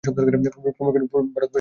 ক্রমে প্রভাত পরিষ্কার হইয়া আসিল।